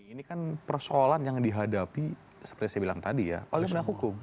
ini kan persoalan yang dihadapi seperti saya bilang tadi ya oleh penegak hukum